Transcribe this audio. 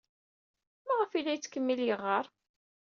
Maɣef ay la yettkemmil yeɣɣar?